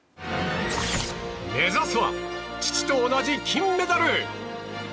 目指すは、父と同じ金メダル。